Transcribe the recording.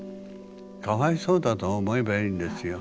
かわいそうだと思えばいいんですよ。